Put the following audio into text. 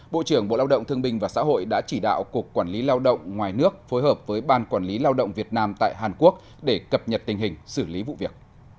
bộ trưởng bộ lao động thương binh và xã hội đã chỉ đạo cục quản lý lao động ngoài nước phối hợp với ban quản lý lao động việt nam tại hàn quốc để cập nhật tình hình xử lý vụ việc